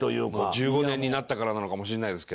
１５年になったからなのかもしれないですけど。